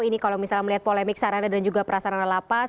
ini kalau misalnya melihat polemik sarana dan juga prasarana lapas